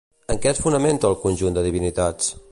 En què es fonamenta el conjunt de divinitats?